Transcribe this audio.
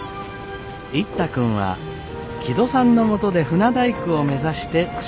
一太君は木戸さんのもとで船大工を目指して修業中です。